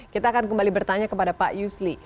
kita akan kembali bertanya kepada pak yusli